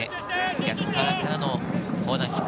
逆側からのコーナーキック。